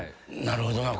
なるほどな。